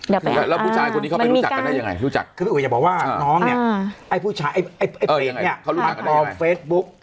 แล้วผู้ชายคนนี้เขาไปรู้จักกันได้ยังไงรู้จักก็ไม่ควรจะบอกว่าน้องเนี่ยไอ้ผู้ชายไอ้เฟสเนี่ยเขารู้จักกันได้ยังไง